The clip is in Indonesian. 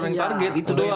yang target itu doang kan